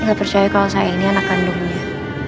nggak percaya kalau saya ini anak kandungnya